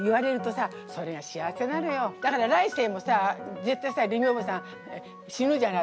だから来世もさ絶対さレミおばさん死ぬじゃない？